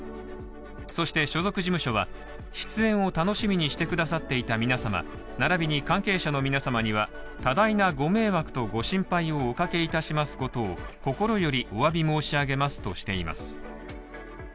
そして、所属事務所は出演を楽しみにしてくださっていた皆様、並びに関係者の皆様には多大なご迷惑とご心配をおかけいたしますことを心よりおわび申し上げますとしています。